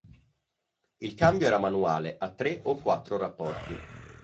Il cambio era manuale a tre o quattro rapporti.